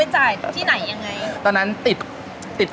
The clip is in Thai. จ่ายออกไปด้วย